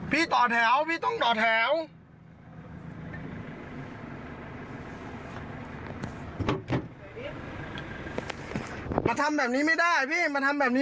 พอพี่พอพอ